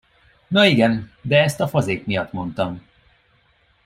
Na igen, de ezt a fazék miatt mondtam.